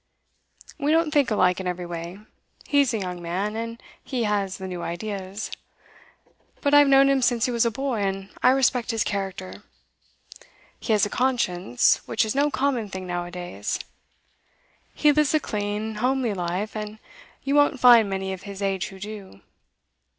We don't think alike in every way; he's a young man, and has the new ideas; but I've known him since he was a boy, and I respect his character. He has a conscience, which is no common thing now a days. He lives a clean, homely life and you won't find many of his age who do.